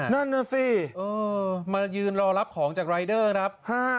นั่นน่ะสิมายืนรอรับของจากรายเดอร์ครับ